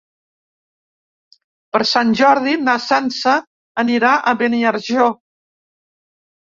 Per Sant Jordi na Sança anirà a Beniarjó.